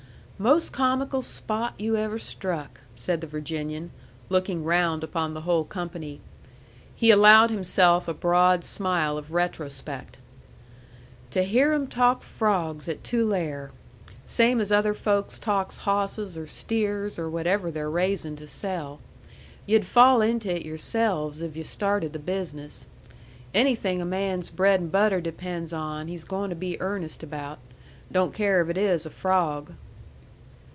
"Mos' comical spot you ever struck!" said the Virginian, looking round upon the whole company. He allowed himself a broad smile of retrospect. "To hear 'em talk frawgs at Tulare! Same as other folks talks hawsses or steers or whatever they're raising to sell. Yu'd fall into it yourselves if yu' started the business. Anything a man's bread and butter depends on, he's going to be earnest about. Don't care if it is a frawg."